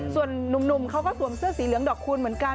ส่วนนุ่มเขาก็สวมเสื้อสีเหลืองดอกคูณเหมือนกัน